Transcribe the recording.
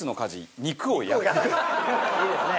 いいですね！